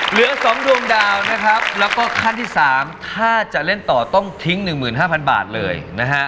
เหลือ๒ดวงดาวนะครับแล้วก็ขั้นที่๓ถ้าจะเล่นต่อต้องทิ้ง๑๕๐๐บาทเลยนะฮะ